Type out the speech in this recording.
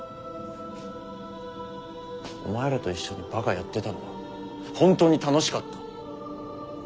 お前らと一緒にバカやってたのは本当に楽しかった。